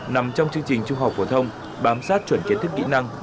nằm trong chương trình trung học phổ thông bám sát chuẩn kiến thức kỹ năng